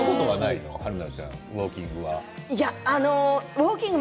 ウォーキング？